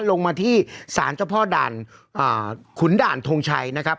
ลงมาที่สารเจ้าพ่อด่านขุนด่านทงชัยนะครับ